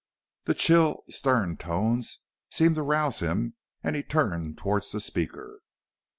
The chill, stern tones seemed to rouse him and he turned towards the speaker.